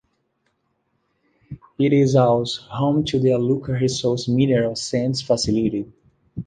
It is also home to the Iluka Resources mineral sands facility.